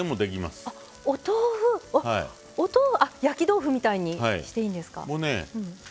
あっ焼き豆腐みたいにしていいんですか。